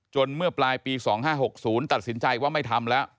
เมื่อปลายปี๒๕๖๐ตัดสินใจว่าไม่ทำแล้ว